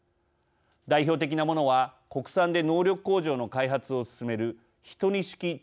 代表的なものは国産で能力向上の開発を進める１２式地